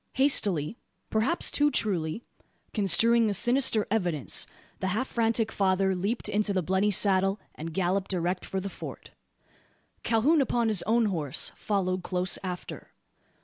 Hastily perhaps too truly construing the sinister evidence, the half frantic father leaped into the bloody saddle, and galloped direct for the Fort. Calhoun, upon his own horse, followed close after.